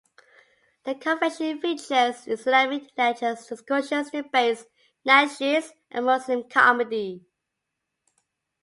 The convention features Islamic lectures, discussions, debates, nasheeds, and Muslim comedy.